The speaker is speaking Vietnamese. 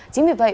chính vì vậy